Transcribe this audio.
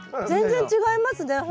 全然違いますね。